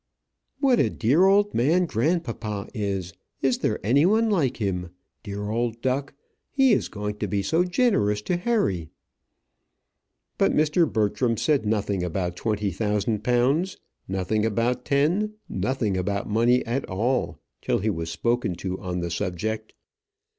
"What a dear old man grandpapa is! Is there any one like him? Dear old duck! He is going to be so generous to Harry." But Mr. Bertram said nothing about twenty thousand pounds, nothing about ten, nothing about money at all till he was spoken to on the subject.